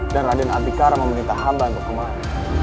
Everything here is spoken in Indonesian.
dan raden abikara memberita hamba untuk kemarin